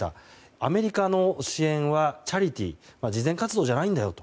アメリカの支援はチャリティー慈善活動じゃないんだよと。